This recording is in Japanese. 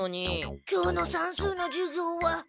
今日の算数の授業は。